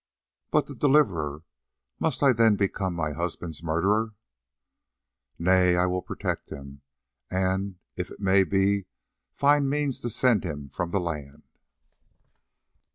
"But the Deliverer! must I then become my husband's murderer?" "Nay, I will protect him, and, if it may be, find means to send him from the land."